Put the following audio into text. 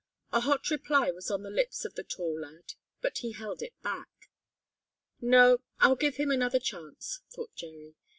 A hot reply was on the lips of the tall lad, but he held it back. "No, I'll give him another chance," thought Jerry.